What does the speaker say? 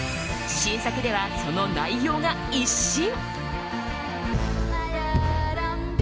新作では、その内容が一新。